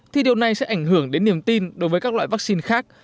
thì điều này sẽ ảnh hưởng đến niềm tin đối với các loại vaccine khác